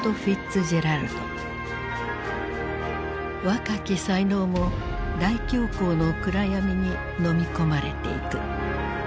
若き才能も大恐慌の暗闇にのみ込まれていく。